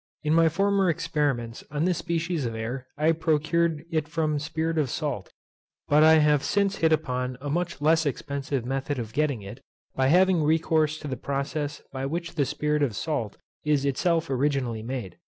_ In my former experiments on this species of air I procured it from spirit of salt, but I have since hit upon a much less expensive method of getting it, by having recourse to the process by which the spirit of salt is itself originally made.